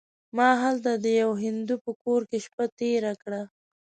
ما هلته د یوه هندو په کور کې شپه تېره کړه.